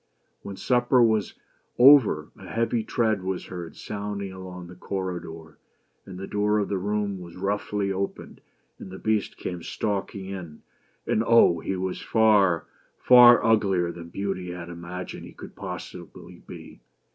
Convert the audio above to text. When supper was over, a heavy tread was heard sounding along the corridor ; and the door of the room was roughly opened and the Beast came stalking in. And, Oh ! he was far — far uglier than Beauty had imagined he could possibly be